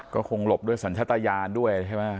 ก็คงหลบด้วยสัญชาตญาณด้วยใช่ไหม